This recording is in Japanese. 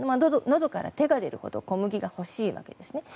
喉から手が出るほど小麦が欲しいわけです。